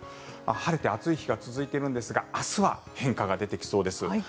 晴れて暑い日が続いているんですが明日は変化が出てきそうです。